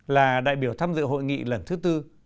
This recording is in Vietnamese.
là đại biểu tham dự hội nghị lần thứ tư